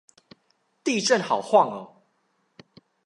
地震好晃喔